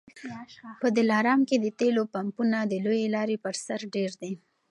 په دلارام کي د تېلو پمپونه د لويې لارې پر سر ډېر دي